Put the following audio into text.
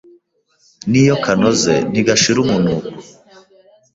n’iyo kanoze ntigashira umunuko